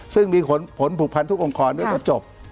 ซึ่งมีผลผลผลบุคฎร์ทุกองค์คอนเนื้อต้นจบ